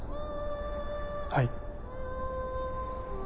はい？